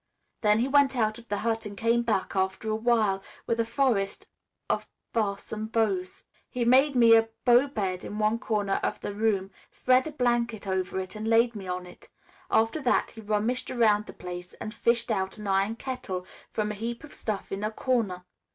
"Then he went out of the hut and came back after a while with a forest of balsam boughs. He made me a bough bed in one corner of the room, spread a blanket over it and laid me on it. After that he rummaged around the place and fished out an iron kettle from a heap of stuff in a corner.